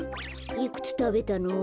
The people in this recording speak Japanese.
いくつたべたの？